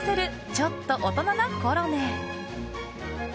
ちょっと大人なコロネ！